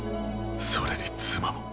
それに妻も。